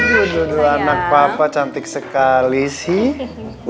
duduk duduk anak papa cantik sekali sih